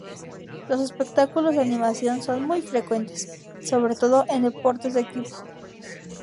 Los espectáculos de animación son muy frecuentes, sobre todo, en deportes de equipo.